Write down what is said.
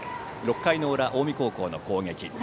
６回の裏、近江高校の攻撃。